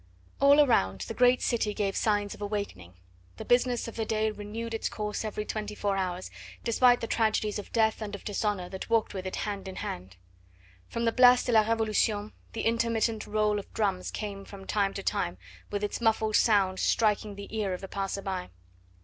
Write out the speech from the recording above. All around the great city gave signs of awakening; the business of the day renewed its course every twenty four hours, despite the tragedies of death and of dishonour that walked with it hand in hand. From the Place de La Revolution the intermittent roll of drums came from time to time with its muffled sound striking the ear of the passer by.